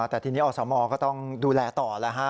แต่ทีนี้ออกสำออก็ต้องดูแลต่อแล้ว